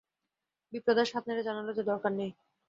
বিপ্রদাস হাত নেড়ে জানালে যে, দরকার নেই।